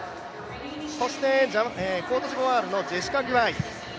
コートジボワールのジェシカ・グバイ。